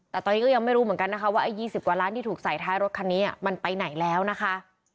แต่ตอนนี้ก็ยังไม่รู้เหมือนกันนะคะว่าไอ้๒๐กว่าล้านที่ถูกใส่ท้ายรถคันนี้มันไปไหนแล้วนะคะ